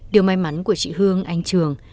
điều may mắn của chị hương anh trường